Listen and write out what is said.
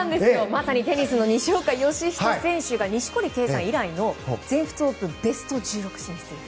まさにテニスの西岡良仁さんが錦織圭さん以来の全仏オープンベスト１６進出です。